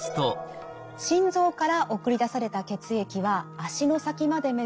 心臓から送り出された血液は足の先まで巡り